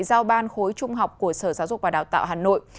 giao ban khối trung học của sở giáo dục và đào tạo hà nội